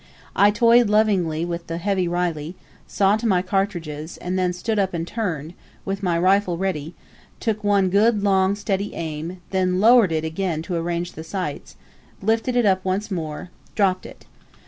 I toyed lovingly with the heavy Reilly, saw to my cartridges, and then stood up and turned, with my rifle ready; took one good, long, steady aim; then lowered it again to arrange the sights, lifted it up once more dropped it.